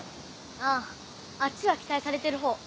あぁあっちは期待されてるほう。